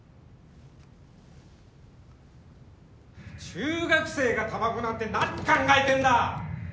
中学生がたばこなんて何考えてんだ！